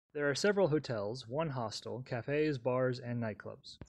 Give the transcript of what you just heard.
There are several hotels, one hostel, cafes, bars and night clubs.